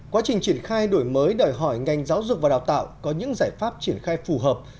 quá trình triển khai đổi mới đòi hỏi ngành giáo dục và đào tạo có những giải pháp triển khai phù hợp